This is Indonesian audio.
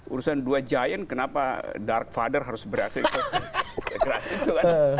urusan dua giant kenapa dark father harus beraksi keras itu kan